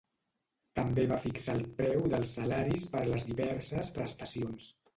També va fixar el preu dels salaris per les diverses prestacions.